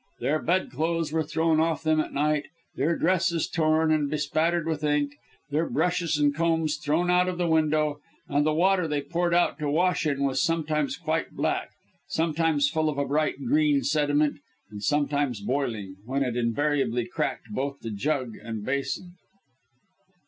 Their bedclothes were thrown off them at night, their dresses torn and bespattered with ink, their brushes and combs thrown out of the window, and the water they poured out to wash in was sometimes quite black, sometimes full of a bright green sediment, and sometimes boiling, when it invariably cracked both the jug and basin.